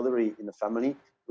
untuk keluarga indonesia